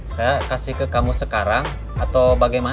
saya kasih ke kamu sekarang atau bagaimana